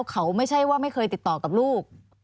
เขาไม่ใช่ว่าไม่เคยติดต่อกับลูก